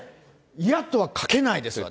嫌とは書けないですよ。